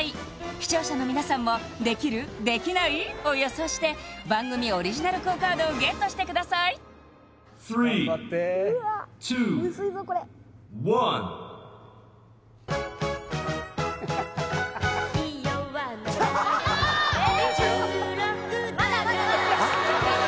視聴者の皆さんもできる？できない？を予想して番組オリジナルＱＵＯカードをＧＥＴしてください頑張ってうわっムズいぞこれまだまだまだ！